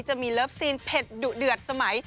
จะมีเลิฟซีนเผ็ดดุเดือดสมัย